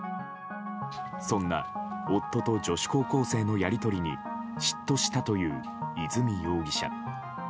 そんな夫と女子高校生のやり取りに嫉妬したという和美容疑者。